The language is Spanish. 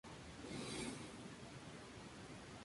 Colaboró muy pronto en la creación de ilustraciones y portadas.